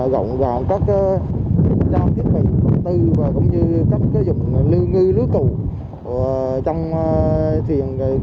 gọn gòn các trang thiết bị công tư và các dùng lưu ngư lúa cù trong thuyền